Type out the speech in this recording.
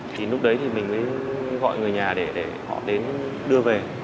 thì lúc đấy thì mình mới gọi người nhà để họ đến đưa về